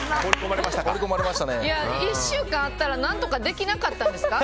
１週間あったら何とかできなかったんですか？